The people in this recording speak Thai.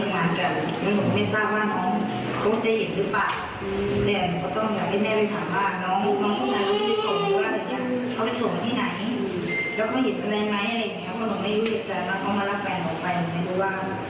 มันบอกไม่ทราบว่าน้องเขาจะเห็นหรือเปล่าแต่ก็ต้องอยากให้แม่ไปถามบ้าง